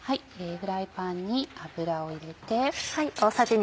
フライパンに油を入れて。